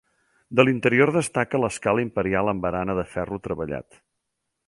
De l'interior destaca l'escala imperial amb barana de ferro treballat.